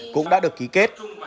cũng đã được ký kết